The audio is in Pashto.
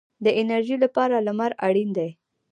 د انرژۍ لپاره لمر اړین دی